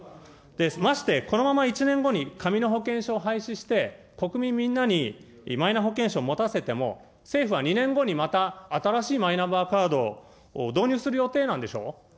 まして、このまま１年後に紙の保険証を廃止して、国民みんなに、マイナ保険証を持たせても、政府は２年後にまた新しいマイナンバーカードを導入する予定なんでしょう。